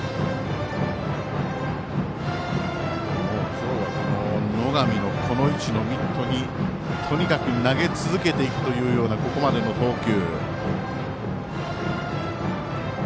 今日は野上のミットにとにかく投げ続けていくというここまでの投球。